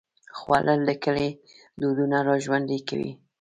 خوړل د کلي دودونه راژوندي کوي